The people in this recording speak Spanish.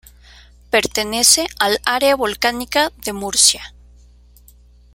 Pertenece al Área volcánica de Murcia.